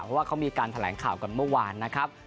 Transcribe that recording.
เพราะว่าเขามีการแถลงข่าวกันเมื่อวานนะครับ